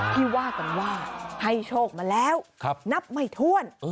ที่ว่ากันว่าให้โชคมาแล้วนับไม่ถ้วน